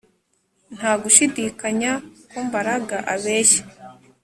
Nta gushidikanya ko Mbaraga abeshya